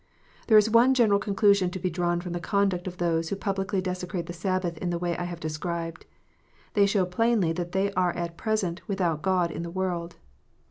There is one general conclusion to be drawn from the conduct of those who publicly desecrate the Sabbath in the way I have described. They show plainly that they are at present "with out God " in the world.